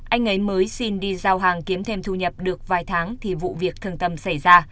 anh ấy mới xin đi giao hàng kiếm thêm thu nhập được vài tháng thì vụ việc thường tầm xảy ra